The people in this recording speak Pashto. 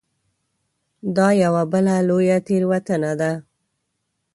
دا یوه بله لویه تېروتنه ده.